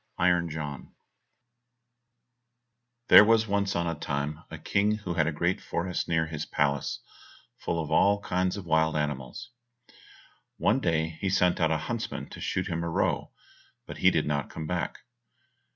136 Iron John There was once on a time a King who had a great forest near his palace, full of all kinds of wild animals. One day he sent out a huntsman to shoot him a roe, but he did not come back.